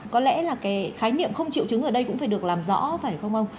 có lẽ là cái khái niệm không triệu chứng ở đây cũng phải được làm rõ phải không ông